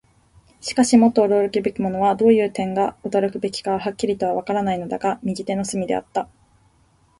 しかし、もっと驚くべきものは、どういう点が驚くべきかははっきりとはわからなかったのだが、右手の隅であった。